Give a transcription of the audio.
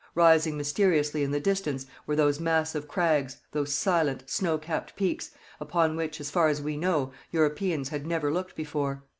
Rising mysteriously in the distance were those massive crags, those silent, snow capped peaks, upon which, as far as we know, Europeans had never looked before.